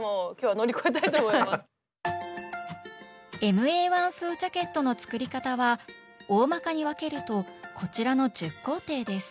ＭＡ−１風ジャケットの作り方はおおまかに分けるとこちらの１０工程です